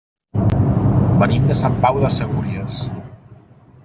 Venim de Sant Pau de Segúries.